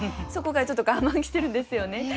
そこからちょっと我慢してるんですよね。